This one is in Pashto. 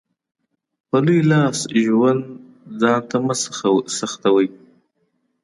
په لوی لاس ژوند ځانته مه سخوئ.